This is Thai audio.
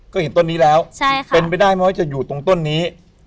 ก็เห็นต้นนี้แล้วเป็นไปได้ไหมจะอยู่ตรงต้นนี้